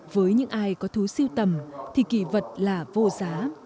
với những ai có thú siêu tầm thì kỳ vật là vô giá